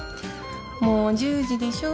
もう１０時でしょ。